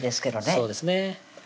そうですね